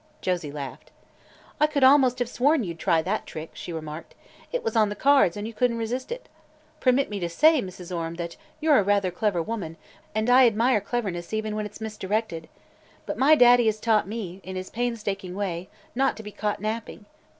Josie laughed. "I could almost have sworn you'd try that trick," she remarked. "It was on the cards and you couldn't resist it. Permit me to say, Mrs. Orme, that you're a rather clever woman, and I admire cleverness even when it's misdirected. But my Daddy has taught me, in his painstaking way, not to be caught napping.